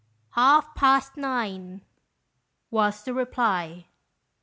" Half past nine," was the reply.